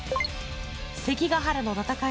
関ケ原の戦い